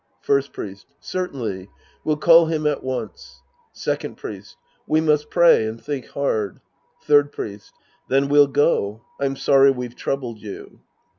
First Priest. Certainly. We'll call him at once. Second Priest. We must pi'ay and think hard. Third Priest. Then we'll go. I'm sorry we've troubled you.